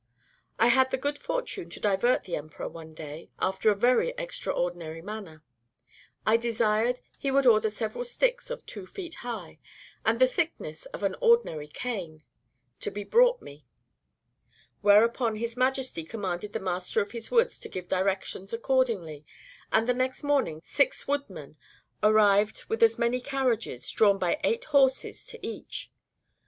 I had the good fortune to divert the emperor, one day, after a very extraordinary manner: I desired he would order several sticks of two feet high, and the thickness of an ordinary cane, to be brought me; whereupon his Majesty commanded the master of his woods to give directions accordingly, and the next morning six woodmen arrived with as many carriages, drawn by eight horses to each.